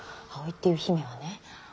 葵っていう姫はね